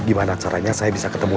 gimana caranya saya bisa ketemu